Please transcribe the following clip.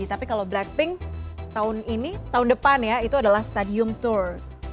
tapi kalau blackpink tahun ini tahun depan ya itu adalah stadium tour